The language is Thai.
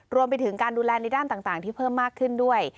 รวมไปถึงการดูแลในด้านต่างที่เพิ่มมากขึ้นด้วย